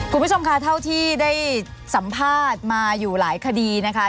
คุณผู้ชมค่ะเท่าที่ได้สัมภาษณ์มาอยู่หลายคดีนะคะ